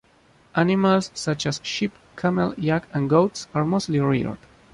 Animals such as sheep, camel, yak, and goats are mostly reared.